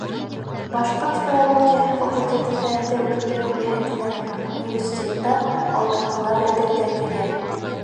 Башҡорт филологияһы факультеты фәнде үҫтереү йәһәтенән университетта алдынғылар рәтендә килә.